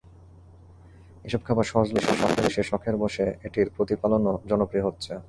এসব খাবার সহজলভ্য হওয়ায় দেশে শখের বশে এটির প্রতিপালনও জনপ্রিয় হচ্ছে।